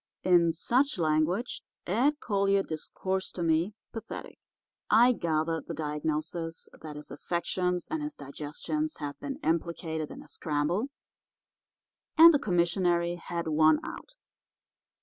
"In such language Ed Collier discoursed to me, pathetic. I gathered the diagnosis that his affections and his digestions had been implicated in a scramble and the commissary had won out.